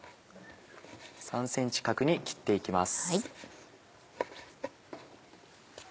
３ｃｍ角に切って行きます。